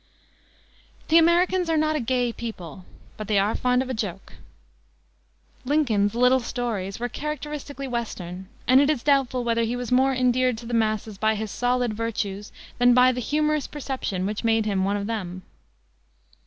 The Americans are not a gay people, but they are fond of a joke. Lincoln's "little stories" were characteristically Western, and it is doubtful whether he was more endeared to the masses by his solid virtues than by the humorous perception which made him one of them.